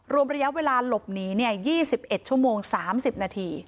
รวมระยะเวลาหลบหนีเนี่ยยี่สิบเอ็ดชั่วโมงสามสิบนาที